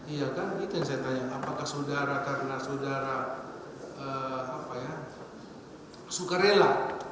iya kan itu yang saya tanya apakah sudara karena sudara apa ya suka rela